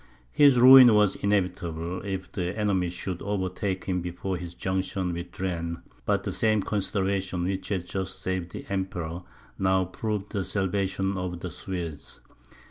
His ruin was inevitable, if the enemy should overtake him before his junction with Turenne; but the same consideration which had just saved the Emperor, now proved the salvation of the Swedes.